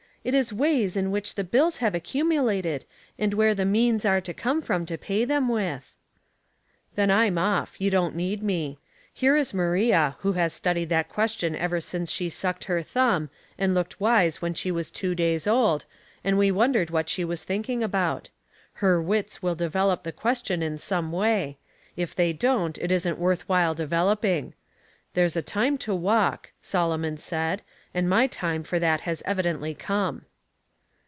It is ways in which the bills have accumulated, and where the means are to come from to pay them with." "Then I'm off; you don't need me. Here is Maria, who has studied that question ever since she sucked her thumb, and looked wise wheD 180 Wai/8 and Bleans, 181 she was two days old, and we wondered what she was thinking about. Her wits will de velop the question in some way ; if they don't it isn't worth while developing. ' There's a time to walk,' Solomon said, and my time for that has evidently come."